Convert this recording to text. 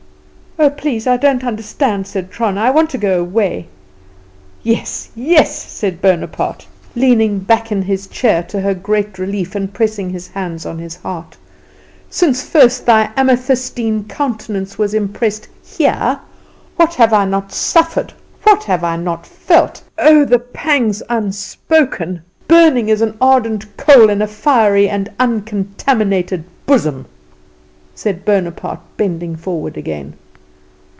"Oh, please, I don't understand," said Trana, "I want to go away." "Yes, yes," said Bonaparte, leaning back in his chair, to her great relief, and pressing his hands on his heart, "since first thy amethystine countenance was impressed here what have I not suffered, what have I not felt? Oh, the pangs unspoken, burning as an ardent coal in a fiery and uncontaminated bosom!" said Bonaparte, bending forward again.